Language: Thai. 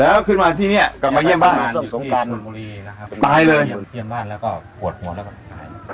แล้วขึ้นมาที่เนี้ยกลับมาเยี่ยมบ้านตายเลยเยี่ยมบ้านแล้วก็ปวดหัวแล้วก็ตาย